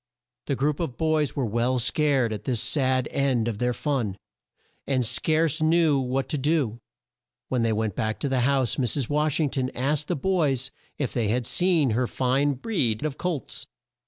The group of boys were well scared at this sad end of their fun, and scarce knew what to do. When they went back to the house Mrs. Wash ing ton asked the boys if they had seen her fine breed of colts.